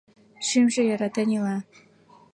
Шӱмжӧ йӧратен ила.